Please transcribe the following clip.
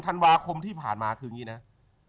ธันวาคมที่ผ่านมาคืออย่างนี้นะ